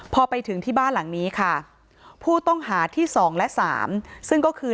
พอไปถึงที่บ้านหลังนี้ค่ะผู้ต้องหาที่๒และ๓ซึ่งก็คือ